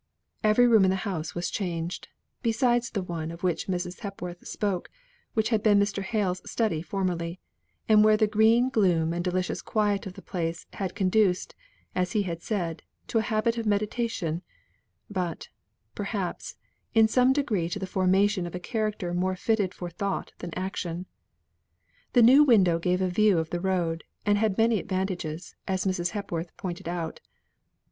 Every room in the house was changed, besides the one of which Mrs. Hepworth spoke, which had been Mr. Hale's study formerly; and where the green gloom and delicious quiet of the place had conduced, as he had said, to a habit of meditation, but, perhaps, in some degree to the formation of a character more fitted for thought than action. The new window gave a view of the road, and had many advantages, as Mrs. Hepworth pointed out.